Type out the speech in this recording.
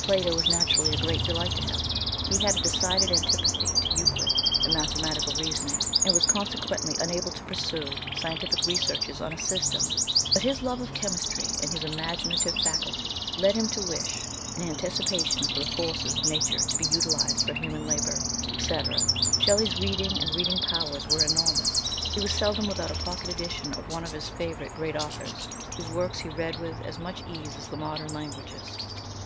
Plato was naturally a great delight to him ; he had a decided antipathy to Euclid and mathematical reasoning, and was conse quently unable to pursue scientific researches on a system ; but his love of chemistry and his imagina tive faculty led him to wish in anticipation for the forces of nature to he utilised for human labour, &c. Shelley's reading and reading powers were enor mous. He was seldom without a pocket edition of one of his favourite great authors, whose works he read with as much ease as the modern languages.